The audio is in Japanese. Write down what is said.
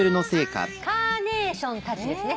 カーネーションたちですね。